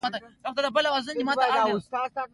موږ ځو تارڼ اوبښتکۍ ته.